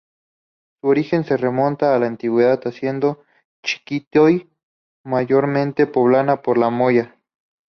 Su origen se remonta a la antigua hacienda Chiquitoy.Mayormente poblada por los "Moya".